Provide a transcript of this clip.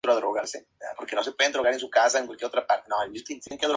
Ningún conocimiento nuevo debe contradecir a alguno de esos dogmas.